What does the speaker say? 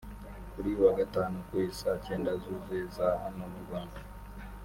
Kuri uyu wa gatanu ku i Saa cyenda zuzuye za hano mu Rwanda